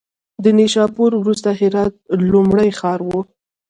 له نیشاپور وروسته هرات لومړی ښار و.